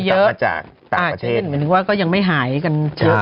อย่างนึงว่าก็ยังไม่หายกัน